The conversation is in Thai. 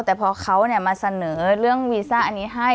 แต่พอเขามาเสนอเรื่องวีซ่าอันนี้ให้